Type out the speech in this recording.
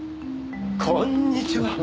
こんにちは。